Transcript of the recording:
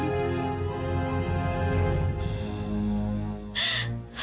aku mau pergi